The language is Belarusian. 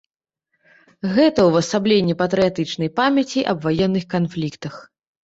Гэта ўвасабленне патрыятычнай памяці аб ваенных канфліктах.